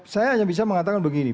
saya hanya bisa mengatakan begini